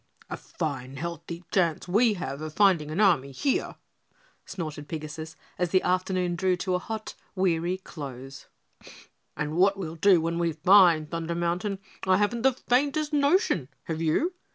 "A fine healthy chance we have of finding an army here!" snorted Pigasus as the afternoon drew to a hot, weary close, "and what we'll do when we find Thunder Mountain, I haven't the faintest notion, have you?